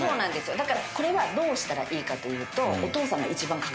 だからどうしたらいいかというと。